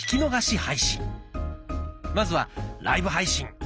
まずは「ライブ配信」。